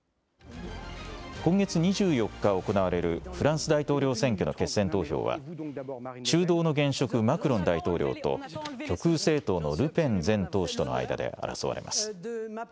今月２４日行われるフランス大統領選挙の決選投票は中道の現職、マクロン大統領と極右政党のルペン前党首との間で争われます。